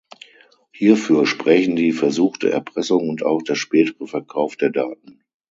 Hierfür sprächen die versuchte Erpressung und auch der spätere Verkauf der Daten.